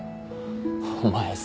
お前さ。